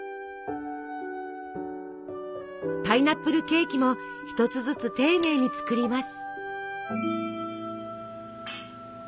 パイナップルケーキも一つずつ丁寧に作ります。